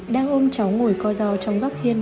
đang ôm cháu ngồi co do trong góc hiên